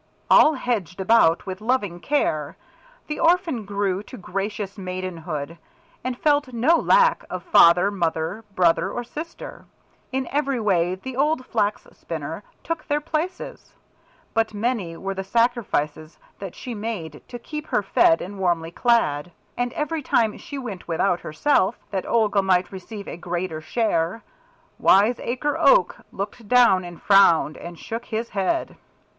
All hedged about with loving care, the orphan grew to gracious maidenhood, and felt no lack of father, mother, brother or sister. In every way the old Flax spinner took their places. But many were the sacrifices that she made to keep her fed and warmly clad, and every time she went without herself that Olga might receive a greater share, Wiseacre Oak looked down and frowned and shook his head.